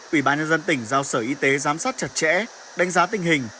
ủy ban nhân dân tỉnh giao sở y tế giám sát chặt chẽ đánh giá tình hình